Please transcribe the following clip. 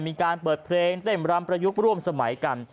มีการเปิดเพลงเต้นรำประยุกต์ร่วมสมัยกัน